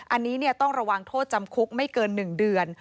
อันนี้ต้องระวังโทษจำคุกไม่เกิน๑เดือน